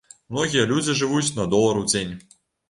Многія людзі жывуць на долар у дзень.